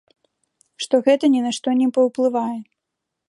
Што гэта ні на што не паўплывае.